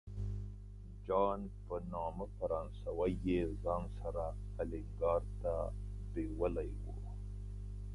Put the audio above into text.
جان په نامه فرانسوی یې ځان سره الینګار ته بیولی و.